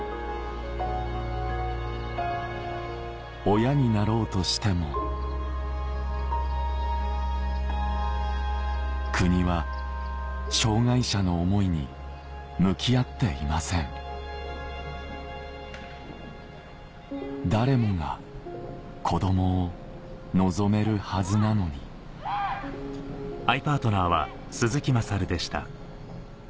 親になろうとしても国は障害者の思いに向き合っていません誰もが子供を望めるはずなのに世界初！